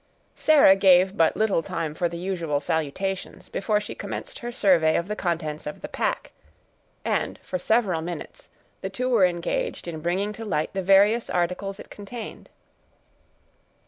Sarah gave but little time for the usual salutations, before she commenced her survey of the contents of the pack; and, for several minutes, the two were engaged in bringing to light the various articles it contained.